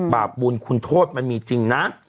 บาปบุญคุณโทษมันมีจริงนะ